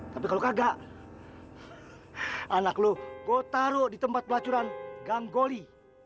tapi kalau kagak anak lo gue taruh di tempat pelacuran ganggoli